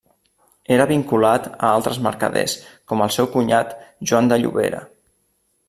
Era vinculat a altres mercaders, com el seu cunyat Joan de Llobera.